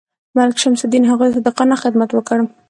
ملک شمس الدین هغوی ته صادقانه خدمت وکړ.